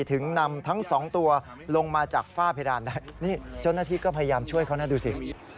ถึงนำทั้งสองตัวลงมาจากฝ้าเพดานได้นี่เจ้าหน้าที่ก็พยายามช่วยเขานะดูสิ